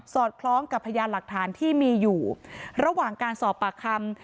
อดคล้องกับพยานหลักฐานที่มีอยู่ระหว่างการสอบปากคำ